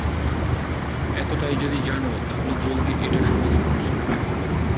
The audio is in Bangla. এতটাই যদি জানো, তাহলে জলদি এটার সমাধান করছ না কেন?